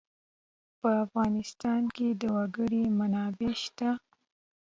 په افغانستان کې د وګړي منابع شته.